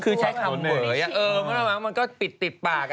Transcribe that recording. คือใช้คำเวยมแบบมันก็ติดปิดปาก